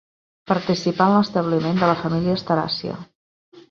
Participà en l'establiment de la família asteràcia.